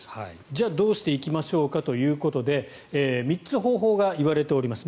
じゃあどうしていきましょうかということで３つ、方法が言われております。